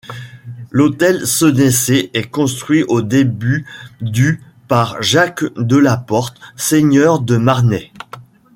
L'hôtel Senecé est construit au début du par Jacques Delaporte, seigneur de Marnay.